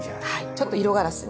ちょっと色ガラスを。